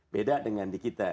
beda dengan di kita